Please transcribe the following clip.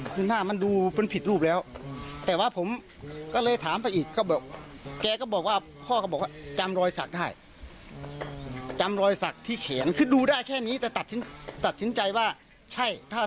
ความหักก็ต้องพิสูจน์ให้ได้ก่อน